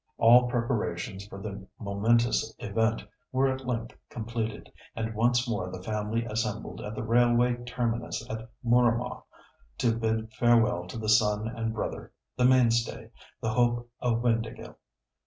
All preparations for the momentous event were at length completed, and once more the family assembled at the railway terminus at Mooramah to bid farewell to the son and brother—the mainstay, the hope of Windāhgil.